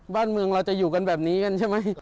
บ้านเมืองเราจะอยู่กันแบบนี้กันใช่ไหม